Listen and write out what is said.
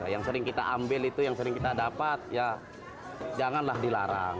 yang sering kita ambil itu yang sering kita dapat ya janganlah dilarang